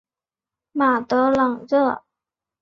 马德朗热。